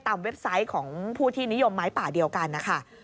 เว็บไซต์ของผู้ที่นิยมไม้ป่าเดียวกันนะคะ